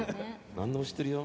何でも知ってるよ。